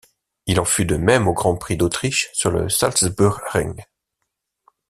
Il en fut de même au grand prix d'Autriche sur le Salzburgring.